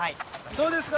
どうですか？